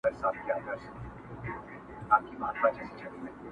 • بس په زړه کي یې کراري لانديښنې سوې..